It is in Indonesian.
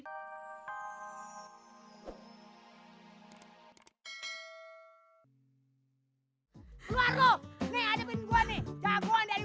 luar loh nih ada mingguan nih jagoan dari